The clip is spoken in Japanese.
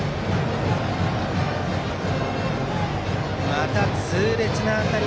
また痛烈な当たり。